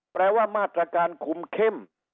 แปลว่ามาตรการคุมเข้ม